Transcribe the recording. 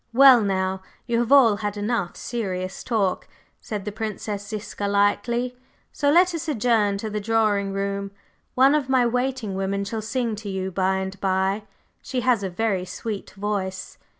"Well, now, you have all had enough serious talk," said the Princess Ziska lightly, "so let us adjourn to the drawing room. One of my waiting women shall sing to you by and by; she has a very sweet voice."